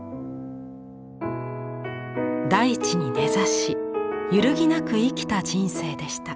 大地に根ざし揺るぎなく生きた人生でした。